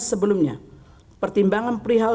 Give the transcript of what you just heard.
sebelumnya pertimbangan perihal